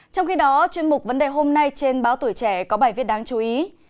trong khi đó chuyên mục vấn đề hôm nay trên báo tuổi trẻ có bài viết đáng chú ý